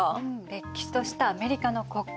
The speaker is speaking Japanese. れっきとしたアメリカの国旗。